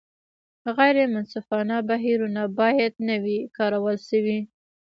غیر منصفانه بهیرونه باید نه وي کارول شوي.